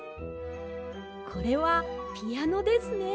これはピアノですね。